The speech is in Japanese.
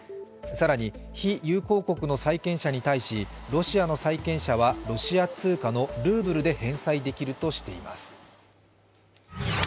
更に非友好国の債権者に対し、ロシアの債権者はロシア通貨のルーブルで返済できるとしています。